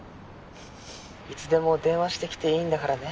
いつでも電話してきていいんだからね。